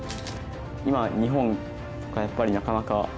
今日本とかやっぱりなかなか。